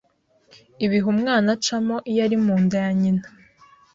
ibihe umwana acamo iyo ari munda ya nyina